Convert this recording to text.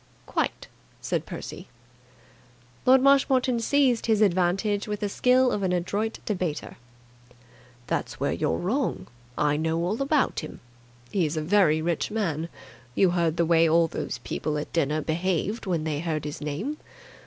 "Quite!" said Percy. Lord Marshmoreton seized his advantage with the skill of an adroit debater. "That's where you're wrong. I know all about him. He's a very rich man. You heard the way all those people at dinner behaved when they heard his name.